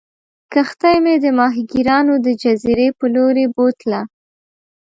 کښتۍ مې د ماهیګیرانو د جزیرې په لورې بوتله.